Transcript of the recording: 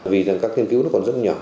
vì rằng các nghiên cứu nó còn rất nhỏ